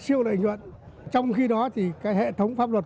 siêu lợi nhuận trong khi đó thì cái hệ thống pháp luật